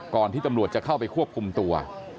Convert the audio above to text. ที่ตำรวจจะเข้าไปควบคุมตัว